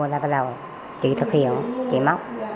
rồi bắt đầu chị thực hiện chị móc